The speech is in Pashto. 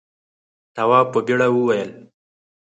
تواب په بېره وویل.